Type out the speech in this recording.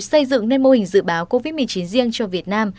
xây dựng nên mô hình dự báo covid một mươi chín riêng cho việt nam